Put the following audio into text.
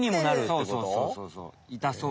そうそうそうそうそう。